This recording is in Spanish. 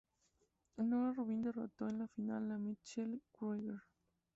Noah Rubin derrotó en la final a Mitchell Krueger.